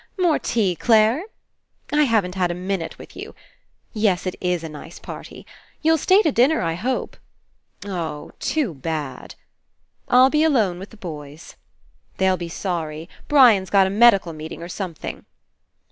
^'More tea, Clare? ... I haven't had a minute with you. ... Yes, it is a nice party. ... You'll stay to dinner, I hope. ... Oh, too bad! ... I'll be alone with the boys. ... They'll be sorry. Brian's got a medical meeting, or something.